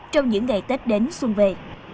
trong những ngày tết đến xuân về